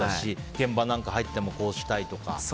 現場なんか入ってもこうしたいとか。